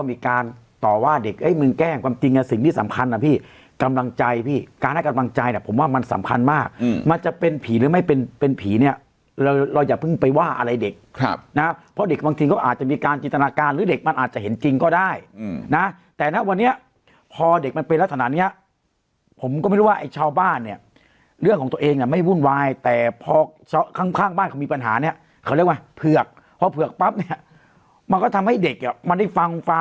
มีการต่อว่าเด็กไอ้มึงแกล้งความจริงอ่ะสิ่งที่สำคัญอ่ะพี่กำลังใจพี่การให้กำลังใจน่ะผมว่ามันสำคัญมากอืมมันจะเป็นผีหรือไม่เป็นเป็นผีเนี้ยเราเราอย่าเพิ่งไปว่าอะไรเด็กครับนะเพราะเด็กบางทีเขาอาจจะมีการจิตนาการหรือเด็กมันอาจจะเห็นจริงก็ได้อืมนะแต่นะวันนี้พอเด็กมันเป็นลัก